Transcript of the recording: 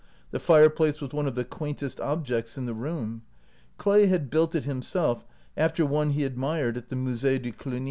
The fireplace was one of the quaintest objects in the room. Clay had built it himself after one he ad mired at the Mus£e de Cluny.